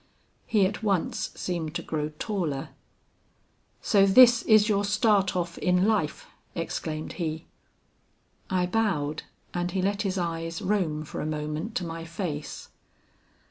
He at once seemed to grow taller. 'So this is your start off in life,' exclaimed he. "I bowed, and he let his eyes roam for a moment to my face.